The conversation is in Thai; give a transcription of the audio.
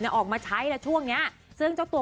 ก็รอติดตามกันนะครับ